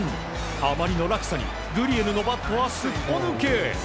あまりの落差にグリエルのバットはすっぽ抜け。